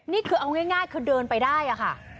นี่คือเอาง่ายคือเดินไปได้ค่ะ